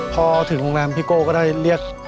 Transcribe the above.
พอถึงโรงแรมพี่โก้ก็ได้เรียก